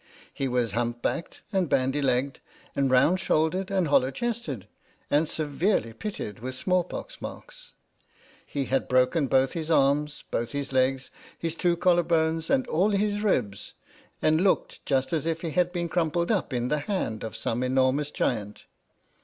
He was hump backed, and bandy legged, and round shouldered, and hollow chested, and severely pitted with small pox marks. He had broken both his arms, both his legs, his two collar bones, and all his ribs, and looked just as if he had been crumpled up in the hand of some enormous 14 "I KNOW WHO TAKES SUGAR PLUMS TO BED WITH HIM" H.M.S. "PINAFORE" giant.